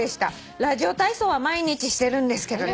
「ラジオ体操は毎日してるんですけどね」